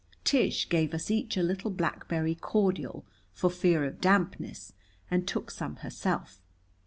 Tish gave us each a little blackberry cordial, for fear of dampness, and took some herself.